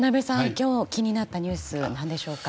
今日気になったニュースは何でしょうか。